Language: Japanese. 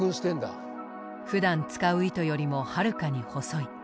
ふだん使う糸よりもはるかに細い。